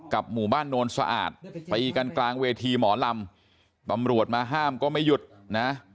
หมู่บ้านโนนสะอาดตีกันกลางเวทีหมอลำตำรวจมาห้ามก็ไม่หยุดนะ